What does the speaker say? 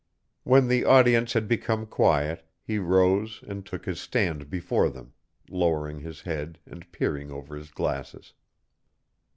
When the audience had become quiet he rose and took his stand before them, lowering his head and peering over his glasses.